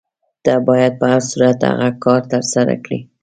ته باید په هر صورت هغه کار ترسره کړې.